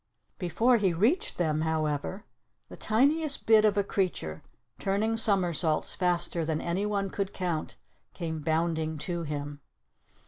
Before he reached them, however, the tiniest bit of a creature, turning somersaults faster than anyone could count, came bounding to him.